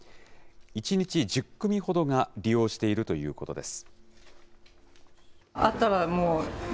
１日１０組ほどが利用しているということです。